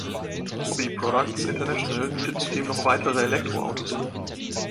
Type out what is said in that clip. Hobby Products International bietet zudem noch weitere Elektroautos an.